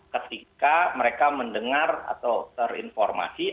ketika mereka mendengar atau terinformasi